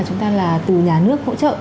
chúng ta là từ nhà nước hỗ trợ